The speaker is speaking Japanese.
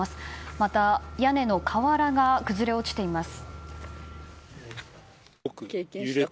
また、屋根の瓦が崩れ落ちています。